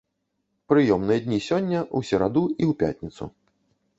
Прыёмныя дні сёння, у сераду і ў пятніцу.